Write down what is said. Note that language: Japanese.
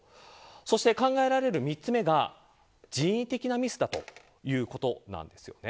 そして、考えられる３つ目が人為的なミスだということなんですよね。